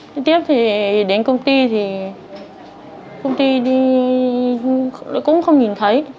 đi tiếp thì đến công ty thì công ty đi cũng không nhìn thấy